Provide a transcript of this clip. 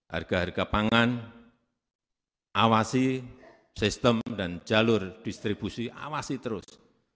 harga harga pangan awasi sistem dan jalur distribusi awasi terus